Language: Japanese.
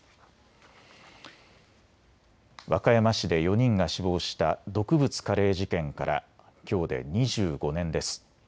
和歌山市で４人が死亡した毒物カレー事件からきょうで２５年です。